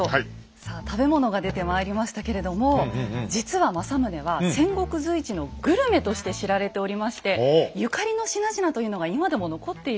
さあ食べ物が出てまいりましたけれども実は政宗は戦国随一のグルメとして知られておりましてゆかりの品々というのが今でも残っているんですね。